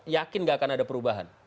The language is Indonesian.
yakin gak akan ada perubahan